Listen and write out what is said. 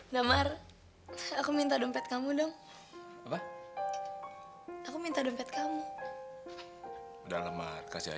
damar aku minta dompet kamu dong aku minta dompet kamu dalam markasnya